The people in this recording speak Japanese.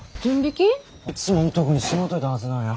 いつものとこにしもといたはずなんや。